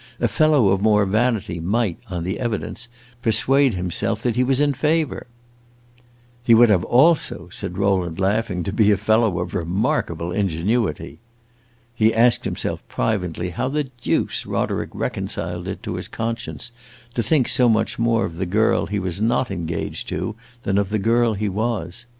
A fellow of more vanity might, on the evidence, persuade himself that he was in favor." "He would have also," said Rowland, laughing, "to be a fellow of remarkable ingenuity!" He asked himself privately how the deuce Roderick reconciled it to his conscience to think so much more of the girl he was not engaged to than of the girl he was.